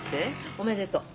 おめでとう。